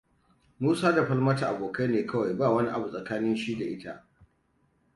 Musa da Falmata abokai ne kawai. Ba wani abu tsakanin shi da ita.